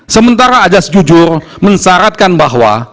sementara ajas jujur mensyaratkan bahwa